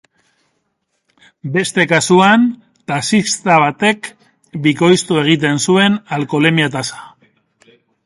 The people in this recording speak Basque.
Beste kasuan, taxista batek bikoiztu egiten zuen alkoholemia tasa.